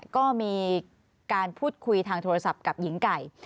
ก็มีการพูดคุยทางโทรศัพท์กับหญิงไก่